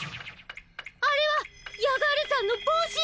あれはヤガールさんのぼうし！